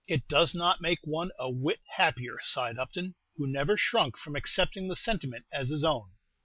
"It does not make one a whit happier," sighed Upton, who never shrunk from accepting the sentiment as his own.